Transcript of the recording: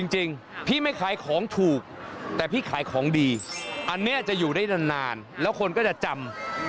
จริงพี่ไม่ขายของถูกแต่พี่ขายของดีอันนี้จะอยู่ได้นานแล้วคนก็จะจำ